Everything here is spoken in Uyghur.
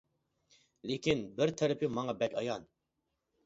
لېكىن، بىر تەرىپى ماڭا بەك ئايان.